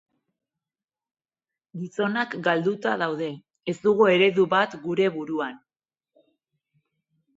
Gizonak galduta daude, ez dugu eredu bat gure buruan.